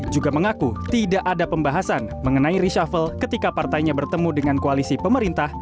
juga mengaku tidak ada pembahasan mengenai reshuffle ketika partainya bertemu dengan koalisi pemerintah